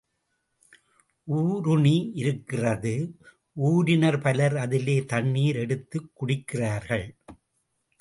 ஊருணி இருக்கிறது ஊரினர் பலர் அதிலே தண்ணீர் எடுத்துக் குடிக்கிறார்கள்.